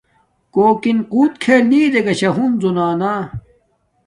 کوکن ۃوت کیھل نی ارے چھا ہنزو نا